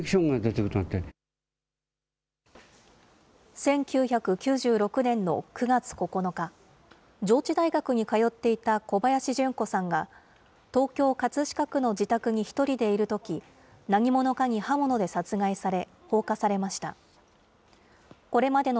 １９９６年の９月９日、上智大学に通っていた小林順子さんが、東京・葛飾区の自宅に１人でいるとき、何者かに刃物で殺害され、放火されました。